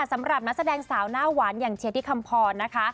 สำหรับนักแสดงสาวหน้าหวานอย่างเชียร์ที่คำพรนะคะ